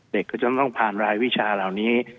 เด็กก็จะต้องผ่านรายวิชาเหล่านี้